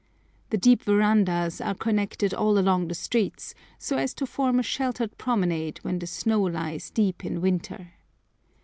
The deep verandahs are connected all along the streets, so as to form a sheltered promenade when the snow lies deep in winter.